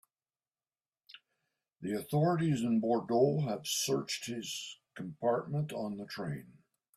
The authorities in Bordeaux have searched his compartment on the train.